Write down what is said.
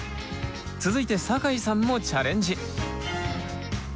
続いて酒井さんもチャレンジ！